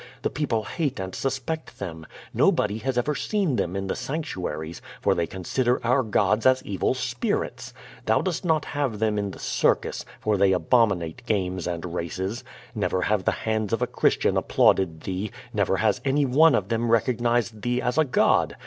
The ]>eople hate and susjMJct them. No body has ever seen tliem in the sanctuaries, for they consider our gods as evil spirits. Thou dost not have them in the 358 Q^O VADT8. circus, for they abominate games and races. Never have the hands of a Christian applauded thee. Never has anyone of them recognized thee as a god.